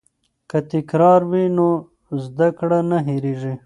که تکرار وي نو زده کړه نه هېریږي.